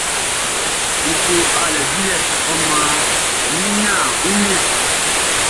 N klo aliɛ dilɛ naan ɔ mʼan mi ɲan wunmiɛn.